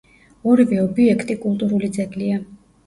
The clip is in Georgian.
ორივე ობიექტი კულტურული ძეგლია.